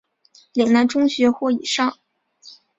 岭南中学或以上。